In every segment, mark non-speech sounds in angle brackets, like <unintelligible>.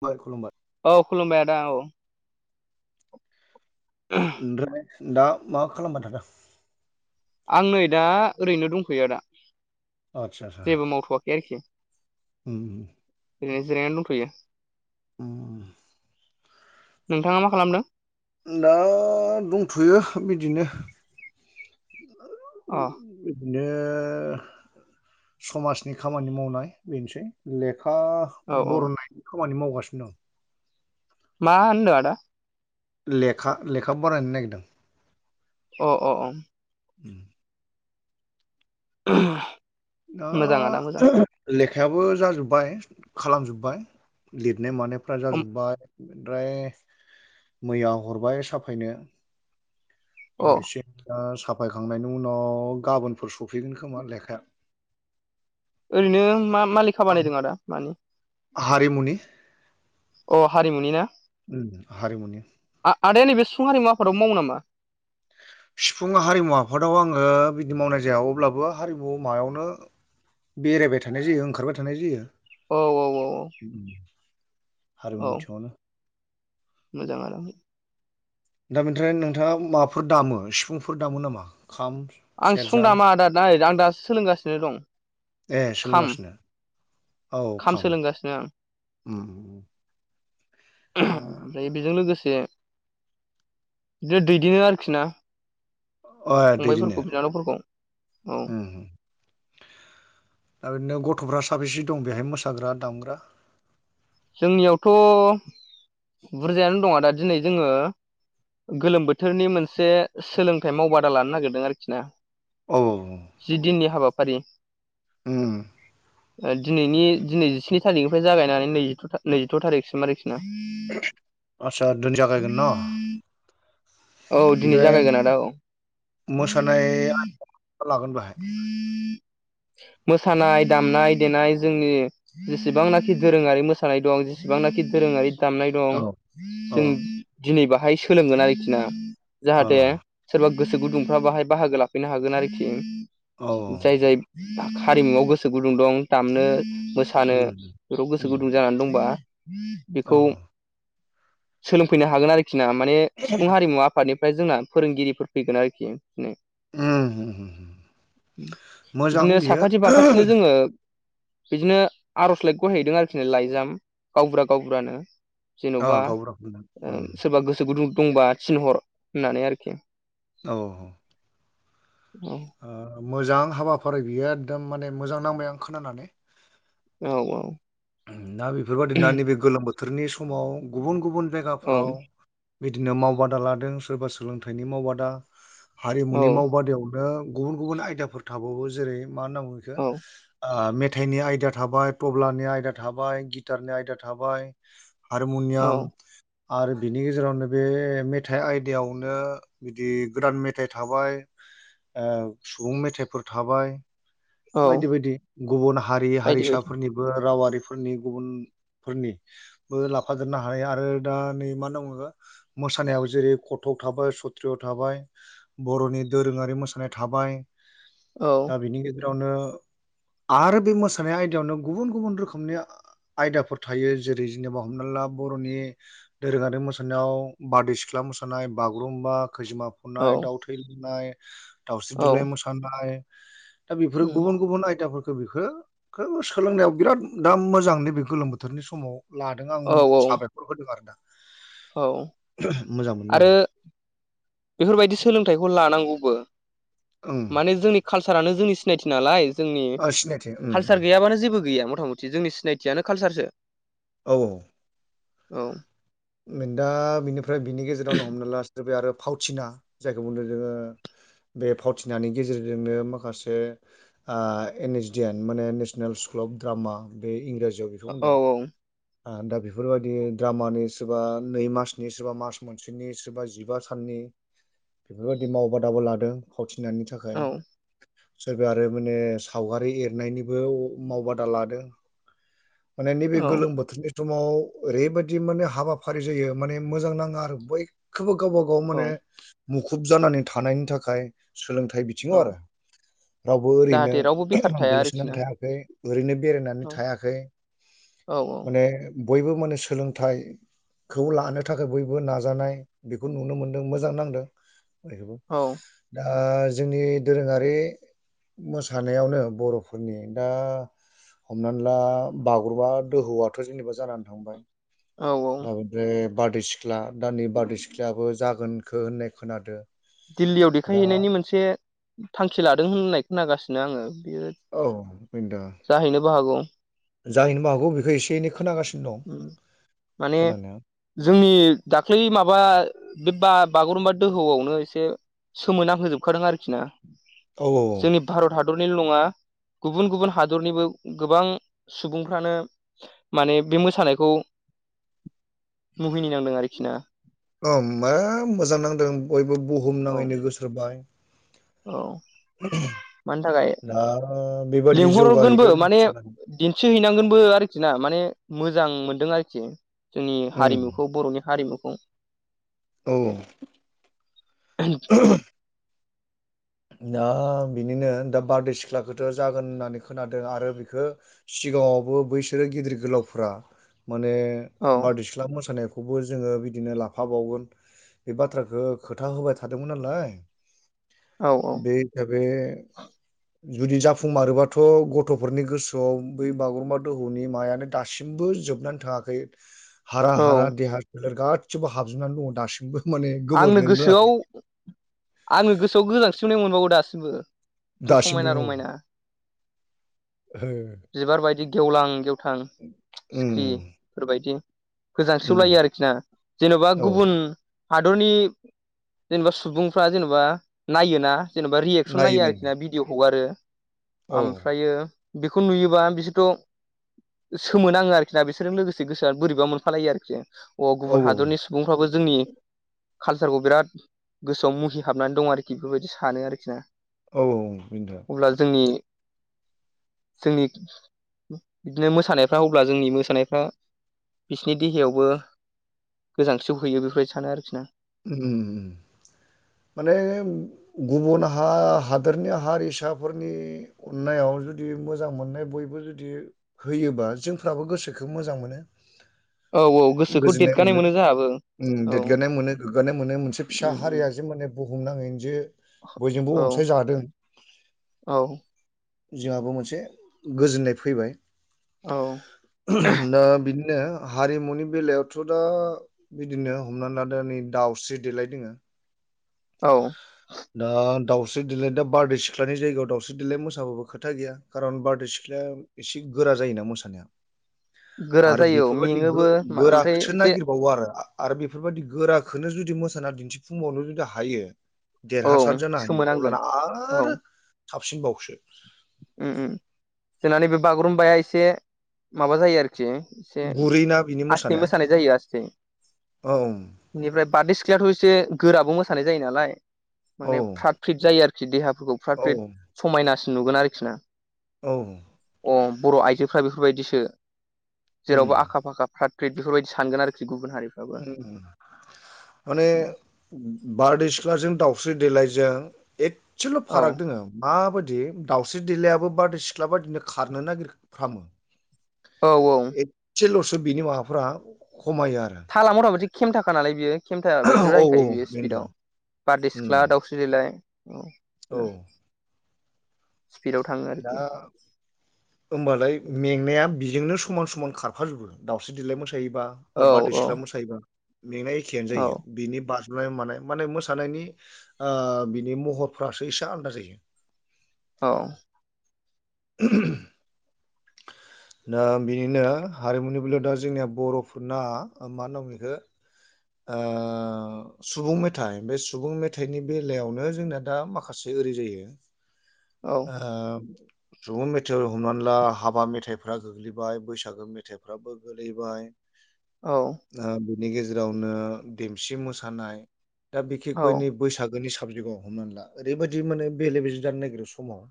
खुलुमबाय खुलुमबाय औ खुलुमबाय आदा औ ओमफ्राय दा मा खालामबाय थादों आं नै दा ओरैनो दंफैयो दा आदसा सा मावथ'याखै आरोखि उम ओरैनो जिरायनानै दंथ'यो उम। नोंथाङा मा खालामदों? दा दंथ'यो बिदिनो <unintelligible> अ बिदिनो समाजनि खामानि मावनाय बेनोसै लेखा औ औ बर'नायनि खामानि मावगासिनो दं मा होनदो आदा लेखा-लेखा बानायनो नागिरदों अ अ अ उम <unintelligible> ओ मोजां आदा मोजां <unintelligible> लेखायाबो जाजोब्बाय खालामजोबबाय लिदनाय मानायफ्रा जाजोब्बाय द्राय मैया हरबाय साफायनो अ <unintelligible> साफायखांनायनि उनाव गाबोनफोर सफैगोन खोमा लेखाया ओरैनो मा मा लिखा आं बानायदों आदा मानि हारिमुनि अ हारिमुनि ना उम हारिमुनि। आ-आदाया नैबे सिफुं हारिमु आफादाव मावो नामा? सिफुं हारिमु आफादाव आङो बिदि मावनाय जाया अब्लाबो हारिमु मायावनो बेरायबाय थानाय जायो ओंखारबाय थानाय जायो। औ औ औ औ उम औ हारिमु बिथिंआवनो मोजां आनो दा बेनिफ्राय नोंथाङा माफोर दामो सिफुंफोर दामो नामा खाम आं सिफुं सेरजा दामा आदा <unintelligible> आं दासो सोलोंगासिनो दं ए खाम सोलोंगासिनो औ खाम सोलोंगासिनो आं उम उम उम <unintelligible> ओमफाय बेजों लोगोसे दे - दैदेनो आरोखि ना अ ए फंबायफोरखौ दैदिनो बिनानावफोरखौ औ उम उम दा बिदिनो गथ'फ्रा साबेसे दं बेहाय मोसाग्रा दामग्रा? जोंनियावथ' बुरजायानो दं आदा दिनै जोङो गोलोम बोथोरनि मोनसे सोलोंथाइ मावबादा लानो नागिरदों आरोखि ना। औ औ। जि दिननि हाबाफारि। उम ओ दिनैनि दिनै जिस्नि थारिखनिफ्राय जागायनानै नै <unintelligible> नैजिथ' थारिखसिम आरोखि ना आदसा दोन जागायगोन न औ दिनै ओमफ्राय जागायगोन आदा औ <unintelligible> मोसानाय लागोन बेहाय <unintelligible> मोसानाय दामनाय देनाय जोंनि जेसेबांनाखि दोरोङारि मोसानाय दं जेसेबांनाखि दोरोङारि दामनाय दं औ जों औ दिनै बाहाय सोलोंगोन आरोखि ना औ जाहाते सोरबा गोसो गुदुंफ्रा बाहाय बाहागो लाफैनो हागोन आरोखि औ जाय-जाय हारिमुआव गोसो गुदुं दं दामनो मोस सानो फोराव गोसो गुदुं जानानै दंबा बेखौ सोलोंफैनो हागोन आरोखि ना माने सिफुं हारिमुवा आफादनिफ्राय जोंना फोरोंगिरिफोर फैगोन आरोखि <unintelligible> उम <unintelligible> बिदिनो साखाथि बाखाथिनो जोङो बिदिनो आर'जलाइखौ हैदों आरोखि लाइजाम गावबुरा - गावबुरानो अ जेन'बा गाव रावखौनो ओ सोरबा गोसो गुदुं दंबा थिनहर होननानै आरोखि। औ औ ओ मोजां हाबाफारि बियो एखदम माने मोजां नांबाय आं खोनानानै औ औ दा बेफोरबायदि नैबे गोलोम बोथोरनि समाव गुबुन गुबुन औ जायगाफ्राव बिदिनो मावबादा लादों सोरबा सोलोंथाइनि मावबादा हारिमुनि औ मावबादायावनो गुबुन गुबुन आयदाफोर थाबावो जेरै मा होनना बुङो बेखौ औ मेथाइनि आयदा थाबाय थ'ब्लानि आयदा थाबाय गिटारनि आयदा थाबाय औ हारमुनियाम आरो बिनि गेजेरावनो बे मेथाइ आयदायावनो बिदि गोदान मेथाइ थाबाय सुबुं मेथाइफोर थाबाय औ बायदि बायदि गुबुन हारि बायदि बायदि हारिसाफोरनिबो रावारिफोरनि गुबुनफोरनि बो लाफाजोबनो हायो आरो दा नै मा दंङ मोसानायाबो जेरै कथ थाबाय सथ्रयाव थाबाय बर'नि दोरोंङारि मोसानाय थाबाय औ दा बिनि गेजेरावनो आरो बे मोसानाय आयदायावनो गुबुन गुबुन रोखोमनि आयदाफोर थायो जेरै जेनेबा हमना ला बरनि दोरोङारि मोसानायाव बारदै सिख्ला मोसानाय बागुरुम्बा खैजोमा औ खुरनाय दाउ थै लोंनाय दाउस्रि देलाइ मोसानाय दा बेफोरो गुबुन गुबुन आयदाफोरखौ बेखो सोलोंनायाव बिराद दा मोजां नैबे गोलोम बोथोरनि समाव लादों आं औ औ साबायखर बहुदबार दा औ मोजां मोनदों आरो आं बेफोरबायदि सोलोंथाइखौ लानांगौबो ओं माने जोंनि कालसारानो जोंनि सिनायथि नालाय जोंनि ओ सिनायथि उम उम कालसार गैयाबानो जेबो गैया मथा मथि जोंनि सिनायथियानो कालसारसो औ औ दा बिनिफ्राय बिनि गेजेरावनो हमना लास्राबाय आरो फावथिना जायखौ बुंदों जोङो बे फावथिनायनि गेजेरजोंनो माखासे आं एन एइस डि एन माने नेसनेल स्कुल अफ ड्रामा बे इंराजियाव बि औ औ आं दा बेफोरबायदि द्रामानि सोरबा नै मासनि सोरबा मार्च म सिनि सोरबा जिबा साननि बेफोरबायदि मावबादाबो लादों फावथिनानि थाखाय औ सोरबा आरो माने सावगारि एरनायनिबो मावबादा लादो <inaudible> माने नैबे औ गोलोम बोथोर नि समाव ओरैबायदि माने हाबाफारि जायो माने मोजां नांङो आरो बै खौबो गावबा गाव औ माने मुखुब जानानै थानायनि थाखाय सोलोंथाइ बि बिथिङाव औ आरो रावबो ओरैनो जाहाथे रावबो बेखार थाया आरोखि ना गोग्लैसोनानै थायाखै ओरैनो बेरायनानै औ थायाखै औ बे बयबो माने सोलोंथाइ खौ लानो थाखाय बयबो नाजानाय बेखौ नुनो मोनदों मोजां नांदों बेयखौबो औ <unintelligible> दा जोंनि दोरोंङारि मोसानायावनो बरफोरनि दा हमनानै ला बागुरुमबा दोहौआथ जेनेबा जानानै थांबाय औ औ ओदफ्राय <unintelligible> बारदै सिख्ला दानि बारदै सिख्लाबो जागोनखौ होननाय खोनादों दिल्लीयाव देखायहैनायनि मोनसे थांखि लादों होननाय खोनागासिनो आङो बेयो औ। <unintelligible> जाहैनोबो हागौ। जाहैनोबो हागौ बेखौ एनै खोनागासिनो दं ओम माने खोनानाया जोंनि दाख्लै माबा बे बा-बागुरुम्बा दोहौआवनो एसे सोमोनां होजोबखादों आरोखि ना औ औ औ जोंनि भारत हादरनिल' नङा। गुबुन गुबुन हादरनिबो गोबां सुबुंफ्रानो माने बे मोसानायखौ मुहिनि नांदों आरोखि ना। औ मा मोजां नांदों बयबो औ बुहुमनाङैनो गोसारबाय। औ। मानि थाखाय दा बेबादि जौगाहैगोन सानाखैमोन। दिन्थिहैैनांगोनबो आरोखि ना माने मोजां मोनदों आरोखि। जोंनि उम हारिमुखौ बरनि हारिमुखौ। औ। दा बिनिनो दा बारदैसिख्लाखोथ' जागोन होननानै खोनादों आरो बेखो सिगाङावबो बैसोरो गिदिर गोलावफोरा माने औ बारदैसि सिख्ला मोसानायखौबो जोङो बिदिनो लाफाबावगोन। बे बाथ्राखो खोथा होबाय थादोंमोन नालाय। औ औ। बे हिसाबै जुदि जाफुंमारोबाथ' गथ'फोरनि गोसोआव बै बागुरुम्बा दोहौनि मायानो दासिमबो जोबनानै थाङाखै। <inaudible> हारा हारा देहा सोलेर गासिबो हाबजोबनानै दङ दासिमबो माने आंनो गोमोरनोनो गोसोआव रोङाखै। आंनो गोसोआव गोजांस्रिवनाय मोनबावो दासिमबो। थ' समायना दासिमबो औ रमायना ओ बिबार बायदि गेवलां गेवथां उम सिख्रिफोरबायदि गोजांस्रिवलायो उम आरोखि ना जेनबा औ गुबुन हादरनि जेनेबा सुबुंफ्रा जेनेबा नायोना। जेनेबा रियेक्सन नायो आरोखि ना भिडिअ हगारो औ ओमफ्रायो बेखौ नुयोबा बिसोरथ' सोमोनाङो आरोखि ना बिसोरजों लोगोसे गोसोआ बोरैबा मोनफालायो आरोखि आं। अ औ गुबुन औ हादरनि सुबुंफ्राबो जोंनि कालसारखौ बिराद गोसोआव मुहिहाबनानै दं आरोखि बेफोरबायदि सानो आरोखि ना। औ औ बेनोथ'। अब्ला जोंनि जोंनि बिदिनो मोसानायफ्रा अब्ला जोंनि मोसानायफ्रा बिसिनि देहायावबो गोजांस्रिवहैयो बेफोर बायसानो आरोखि ना। उम। माने गुबुन हा हादोरनि हारिसाफोरनि अननायाव जुदि मोजां मोननाय बयबो जुदि होयोबा जोंफ्राबो गोसोखो मोजां मोनो। औ औ गोसोखौ गोजोननाय देदगानाय मोनो जोंहाबो उम औ देरगारनाय मोनो। गोग्गानाय मोनो मोनसे फिसा उम उम हारिया जे माने बुहुमनाङैनो जे बयजोंबो औ अनसायजादों औ जोंहाबो मोनसे गोजोननाय फैबाय। औ। दा बिदिनो हारिमुनि बेलायावथ' दा बिदिनो हमनानै लादो नै दावस्रि देलाइ दोङो। औ। दा दावस्रि देलाय दा बारदै सिख्लानि जायगायाव दावउस्रि देलाइ मोसाबाबो खोथा गैया कारन बारदै सिख्लाया एसे गोरा जायोना मोसानाया गोरा आरो जायो औ बेफोरबायदि गो मेङोबो ओमफ्राय गोराखोसो एसे नागिर बाव आरो आरो बेफोरबायदि गोराखोनो जुदि मोसाना दिन्थिफुंबावनो जुदि हायो औ देरहासार जानो हायो अब्लाना सोमोनांगोन औ आरो साबसिनबावसो। उम उम जोंनानै बे बागुरुम्बाया एसे माबा जायो आरो एसे गुरैना बिनि आसस्थै मोसानाया मोसानाय जायो आसथे औ बेनिफ्राय बारदै सिख्लायथ' एसे गोराबो मोसानाय जायो नालाय औ माने फ्राथ फ्रिट जायो आरोखि देहाफोरखौ फ्रात औ फ्रिट समायनासिन नुगोन आरोखि ना औ अ बर' आइजोफ्रा बेफोरबायदिसो उम जेरावबो आखा फाखा फ्राद <unintelligible> बेफोरबायदि सानगोन आरोखि गुबुन हारि माने बारदै सिख्लाजों दाउस्रि देलायजों एसेल' औ फाराग दोङ। माबायदि दावस्रि देलायाबो बारदै सिख्ला बायदिनो खारनो नागिर फामो। औ औ एसेल'सो बिनि माबाफ्रा खमायो आरो। ला मथाथि केमथाखालाय बियो केेमथाबादि औ औ जायोखायो स्पिडआव बेनोथ' बारदै उम सिख्ला दाव देलाइ औ <unintelligible> स्पिडआव थाङो। दा आरोखि होमबालाय मेंनाया बिजोंनो समान समान खारफाजोबो दावउस्रि देलााय मोसायोबा। औ बा बारदै सिख्ला मोसायोबा मेंनाय एखेयानो औ जायो बेनि बा फ्राय माने माने मोसानायनि ओ बिनि महरफ्रासो एसे आलादा जायो। औ। <unintelligible> <inaudible> दा बिनिनो हारिमुनि बेलायाव दा जोंनिया बर'फोरना मा होनना बुंयो इखो ओ। सुबुं मेथाइ बे सुबुं मेथाइनि बेलायावनो जोंना दा माखासे ओरै जायो औ ओ सुबुं मेथाइ हमनानै ला हाबा मेथाइफोरा गोग्लैबाय बैसागो मे मेथाइफ्राबो गोलैबाय। औ ओ बिनि गेजेरावनो देमसि मोसानाय दा औ बिखेखयनि बैसाग नि साबजेक्टआव हमनानानै ला ओरैबायदि मे बेले बेजे जानो नागिरो समाव।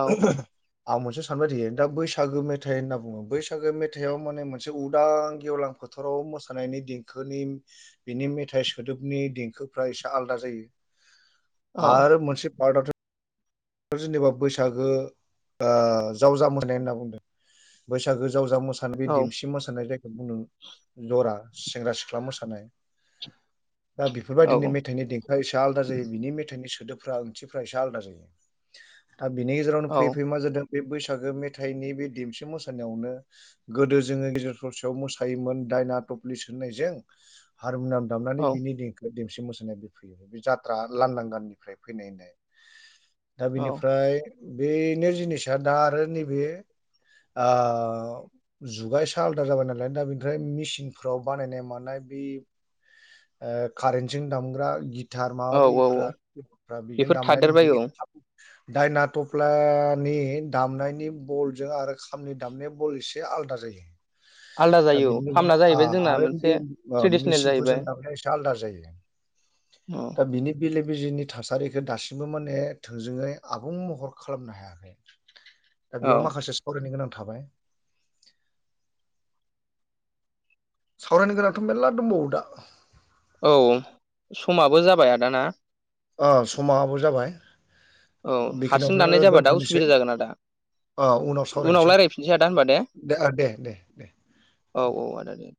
औ <unintelligible> आं मोनसे सानबाय थायो दा बैसागो मेथाइ होनना बुङो बैसागो मेथाइआव माने मोनसे उदां गेवलां फोथाराव मोसानायनि देंखोनि बिनि मेथाइ सोदोबनि देंखोफ्रा एसे आलादा जायो। <inaudible> आरो मोनसे पार्टथ जेनेबा बैसागो ओ जावजा होननाय बुंदों बैसागो जावजा मोसा जानाबि बे औ देमसि मोसानाय जायखौ बुङो जरा सेंग्रा सिख्ला मोसानाय दा बेफोरबायदिनो मेथाइनि देंखोआ एसे आलादा जायो बिनि मेथाइनि सोदोबफ्रा ओंथिफ्रा एसे आलदा जायो। दा बिनि गेजेरावनो फैयै फैयै मा जादों बे बैसागो मेथाइनि बे देमसि मोसानायावनो गोदो जोंङो गेजेर ससेयाव मोसायोमोन दायना तफ्लिस होननायजों हारमुनियाम दामनानै बिनि देंखो देमसि मोसानाया बे फैयो बे जात्रा लांदांगाननिफ्राय फैनाय होननाय। दा औ बिनिफ्राय बेनो जिनिसा दा आरो नैबे आ। जुगा एसे आलादा जाबाय नालाय दा बेनिफ्राय मेसिनफ्राव बानायनाय मानाय बि ओ कारेन्टजों दामग्रा गिटार माबा औ औ बैफ्रा बेजों बेफोर दामनानै थादेरबाय बेनि औ खाबु दायना तफ्लानि दामनायनि बलजो आरो खामनि दामनाय बल इसे जे आलदा जायो आलदा दा जायो औ बिनि खामना जाहैबाय गेजेरावनो जोंना आ मोनसे बे ओ मि ट्रेडिसनेल जाहैबाय सिनफोरजों से आलादा जायो। अ। दा बिनि बेले बेजेनि थासारिखौ दासिमबो माने थोंजोङै आबुं महर खालामनो हायाखै। <inaudible> दा बेयाव माखासे सावरायनो गोनां थाबाय। सावरायनो गोनांथ' मेरला दंबावो दा। औ समाबो जाबाय आदाना। ओ समाबो जाबाय औ हारसिं बेखिनियावनो दाननाय जाबा दा दोनथ'नोसै। उसुबिदा जागोन आदा अ उनाव सावरायसै रायज्लायफिनसै आदा होनबा दे दे दे दे। औ औ आदा दे।